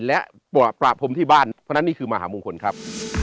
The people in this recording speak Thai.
และประพรมที่บ้านเพราะฉะนั้นนี่คือมหามงคลครับ